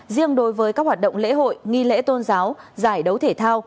riêng đối với các hoạt động lễ hội nghi lễ tôn giáo giải đấu thể thao